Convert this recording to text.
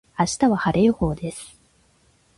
明日は晴れ予報です。